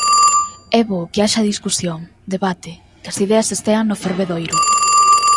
É bo que haxa discusión, debate, que as ideas estean no fervedoiro.